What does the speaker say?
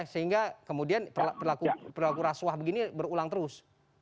sehingga kemudian perilaku rasuah begini berulang terus